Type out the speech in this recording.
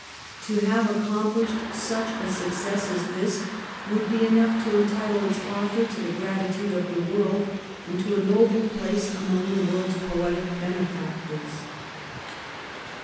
To have accomplished such a success as this would be enough to entitle its author to the gratitude of the world, and to a noble place among the world's poetic benefactors.